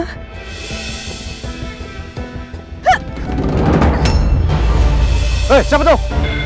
hei siapa tuh